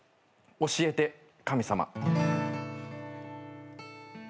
『教えて、神様』